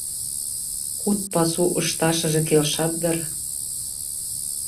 Куд пасу ышташыже келшат дыр.